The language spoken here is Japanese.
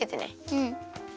うん。